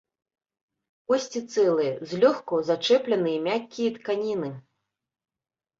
Косці цэлыя, злёгку зачэпленыя мяккія тканіны.